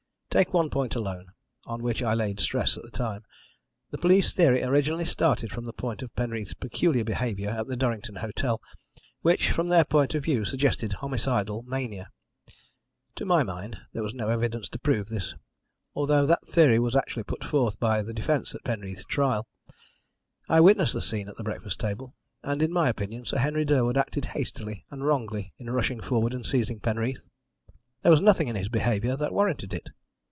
Take one point alone, on which I laid stress at the time. The police theory originally started from the point of Penreath's peculiar behaviour at the Durrington hotel, which, from their point of view, suggested homicidal mania. To my mind, there was no evidence to prove this, although that theory was actually put forth by the defence at Penreath's trial. I witnessed the scene at the breakfast table, and, in my opinion, Sir Henry Durwood acted hastily and wrongly in rushing forward and seizing Penreath. There was nothing in his behaviour that warranted it.